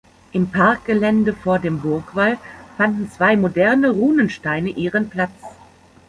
Im Parkgelände vor dem Burgwall fanden zwei moderne „Runensteine“ ihren Platz.